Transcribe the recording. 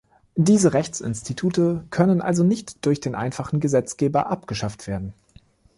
Diese Rechtsinstitute können also nicht durch den einfachen Gesetzgeber abgeschafft werden.